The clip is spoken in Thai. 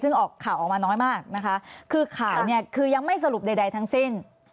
ซึ่งออกข่าวออกมาน้อยมากนะคะคือข่าวเนี่ยคือยังไม่สรุปใดทั้งสิ้น